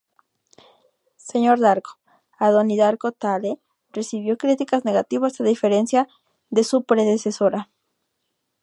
S. Darko: A Donnie Darko Tale recibió críticas negativas a diferencia de su predecesora.